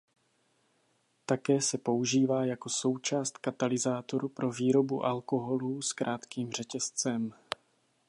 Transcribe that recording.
Také se používá jako součást katalyzátoru pro výrobu alkoholů s krátkým řetězcem.